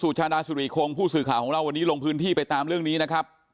ชาดาสุริคงผู้สื่อข่าวของเราวันนี้ลงพื้นที่ไปตามเรื่องนี้นะครับ